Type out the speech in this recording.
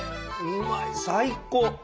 うまい最高！